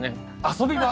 遊び場？